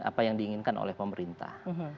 apa yang diinginkan oleh pemerintah